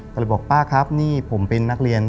ก็เลยบอกป้าครับนี่ผมเป็นนักเรียน